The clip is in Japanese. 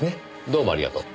どうもありがとう。